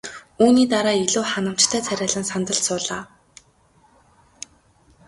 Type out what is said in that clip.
Үүний дараа илүү ханамжтай царайлан сандалд суулаа.